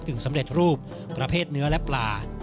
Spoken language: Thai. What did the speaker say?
สำเร็จรูปประเภทเนื้อและปลา